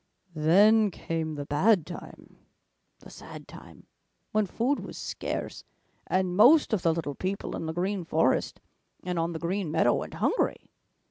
"Then came the bad time, the sad time, when food was scarce, and most of the little people in the Green Forest and on the Green Meadow went hungry.